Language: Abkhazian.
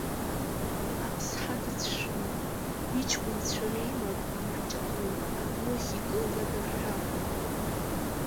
Аԥсҳа дацәшәон, иҷкәынцәа реимак амаҷ аҟынтә аду ахь икылнагар ҳәа.